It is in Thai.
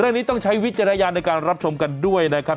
เรื่องนี้ต้องใช้วิจารณญาณในการรับชมกันด้วยนะครับ